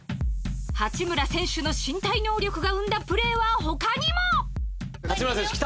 八村選手の身体能力が生んだプレーは他にも満島：八村選手きた！